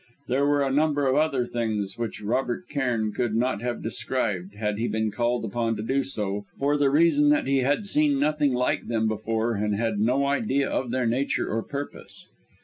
There were a number of other things which Robert Cairn could not have described, had he been called upon to do so, for the reason that he had seen nothing like them before, and had no idea of their nature or purpose.